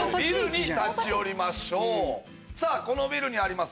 このビルにあります